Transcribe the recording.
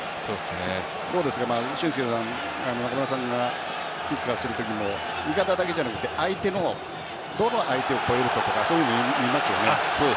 どうですか、俊輔さんがキッカーする時も味方だけじゃなくて相手のどの相手を越えるとかそういうの見ますよね。